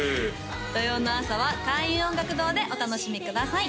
土曜の朝は開運音楽堂でお楽しみください